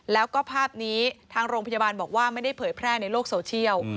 แล้วก็ภาพนี้ทางโรงพยาบาลบอกว่าไม่ได้เผยแพร่ในโลกโซเชียล